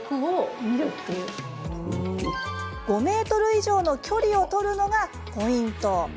５ｍ以上の距離を取るのがポイント。